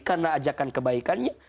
karena ajakan kebaikan itu